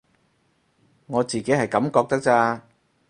我自己係噉覺得咋